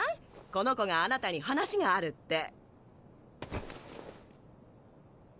この子があなたに話があるって。